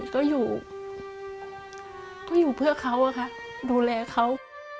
ก็อยู่เพื่อเขาอะคะดูแลเขา